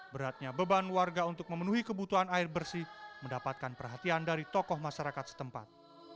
beratnya beban warga untuk memenuhi kebutuhan air bersih mendapatkan perhatian dari tokoh masyarakat setempat